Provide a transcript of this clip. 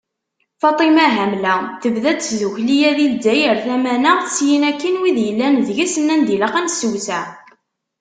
Faṭima Hamla: Tebda tddukkla-a di Lezzayer tamanaɣt, syin akkin wid yellan deg-s nnan-d ilaq ad nessewseɛ.